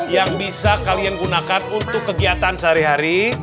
yang bisa kalian gunakan untuk kegiatan sehari hari